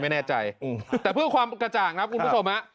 ไม่แน่ใจแต่เพื่อความกระจ่างครับคุณผู้ชมฮะ